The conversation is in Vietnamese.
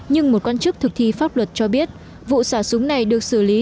nhưng một quan chức thực thi pháp luật cho biết vụ xả súng này được xử lý